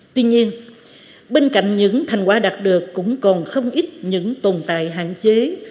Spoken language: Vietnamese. tuy nhiên bên cạnh những thành quả đạt được cũng còn không ít những tồn tại hạn chế